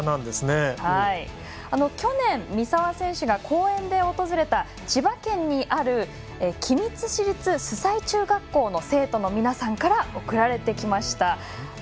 去年、三澤選手が講演で訪れた千葉県にある君津市立周西中学校の生徒の皆さんから送られてきました。